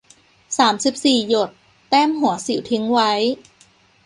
สามสิบสี่ หยด แต้มหัวสิวทิ้งไว้